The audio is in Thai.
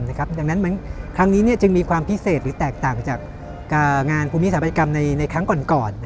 ดังนั้นครั้งนี้จึงมีความพิเศษหรือแตกต่างจากงานภูมิสถาบันกรรมในครั้งก่อน